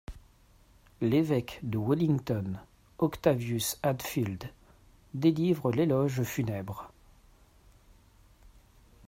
L'évêque de Wellington, Octavius Hadfield, délivre l'éloge funèbre.